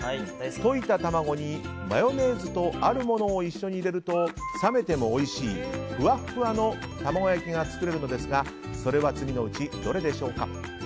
溶いた卵に、マヨネーズとあるものを一緒に入れると冷めてもおいしいふわっふわの卵焼きが作れるのですがそれは次のうちどれでしょうか。